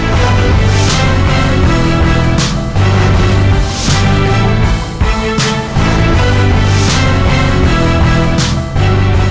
เกณฑ์ต่อชีวิต